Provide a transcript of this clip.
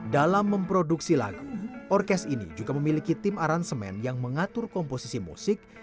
dalam memproduksi lagu orkes ini juga memiliki tim aransemen yang mengatur komposisi musik